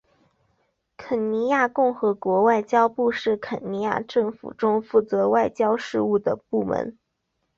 肯尼亚共和国外交部是肯尼亚政府中负责外交事务的部门。